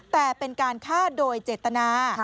แต่เป็นการฆ่าโดยเจตนา